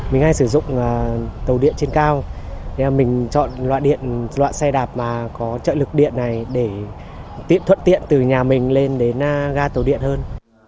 mình hay sử dụng tàu điện trên cao mình chọn loại xe đạp có trợ lực điện này để tiệm thuận tiện từ nhà mình lên đến ga tàu điện hơn